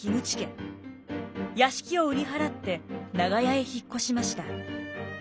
屋敷を売り払って長屋へ引っ越しました。